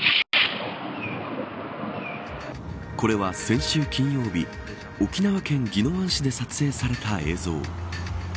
これは先週金曜日沖縄県宜野湾市で撮影された映像。